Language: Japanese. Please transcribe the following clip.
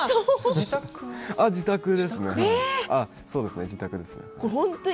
自宅ですね。